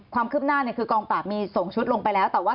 ความคืบหน้าคือกองปราบมีส่งชุดลงไปแล้วแต่ว่า